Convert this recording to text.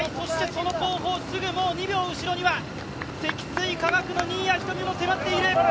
その後方、すぐ２秒後ろには積水化学の新谷仁美も迫っている。